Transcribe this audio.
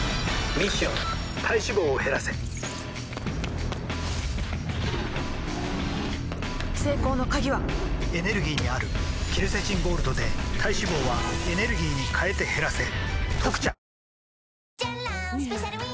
ミッション体脂肪を減らせ成功の鍵はエネルギーにあるケルセチンゴールドで体脂肪はエネルギーに変えて減らせ「特茶」